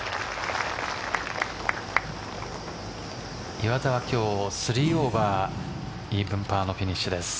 岩田は今日３オーバーイーブンパーのフィニッシュです。